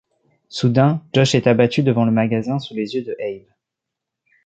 Soudain, Josh est abattu devant le magasin sous les yeux de Abe.